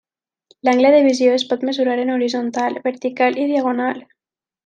L'angle de visió es pot mesurar en horitzontal, vertical o diagonal.